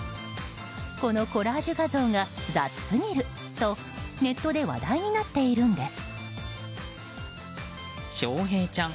このコラージュ画像が雑すぎるとネットで話題になっているんです。